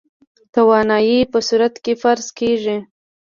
د توانايي په صورت کې فرض کېږي.